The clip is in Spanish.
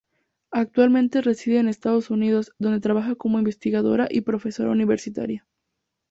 Actualmente reside en Estados Unidos, donde trabaja como investigadora y profesora universitaria.